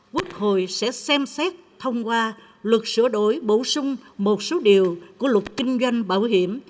quốc hội sẽ xem xét thông qua luật sửa đổi bổ sung một số điều của luật kinh doanh bảo hiểm